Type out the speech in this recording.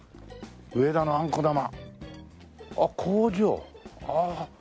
「植田のあんこ玉」あっ工場？